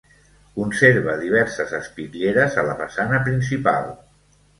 Conserva diverses espitlleres a la façana principal.